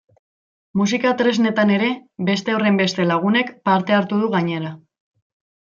Musika tresnetan ere, beste horrenbeste lagunek parte hartu du gainera.